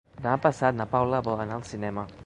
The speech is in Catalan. Demà passat na Paula vol anar al cinema.